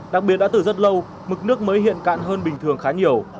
đặc biệt đã từ rất lâu mực nước mới hiện cạn hơn bình thường khá nhiều